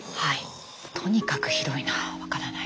とにかく広いな分からない。